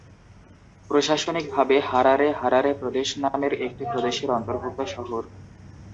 প্রশাসনিক ভাবে Harare Harare প্রদেশ নামের একটি প্রদেশের অন্তর্ভুক্ত শহর।